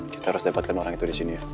kita harus dapatkan orang itu di sini